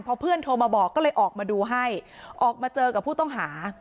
พอเพื่อนโทรมาบอกก็เลยออกมาดูให้ออกมาเจอกับผู้ต้องหา